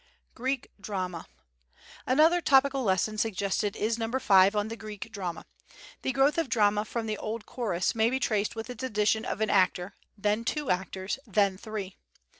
Greek Drama. Another topical lesson suggested is number 5, on the Greek drama. The growth of drama from the old chorus may be traced with its addition of an actor then two actors then three.